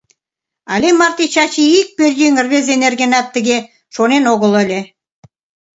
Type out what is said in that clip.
Але марте Чачи ик пӧръеҥ рвезе нергенат тыге шонен огыл ыле.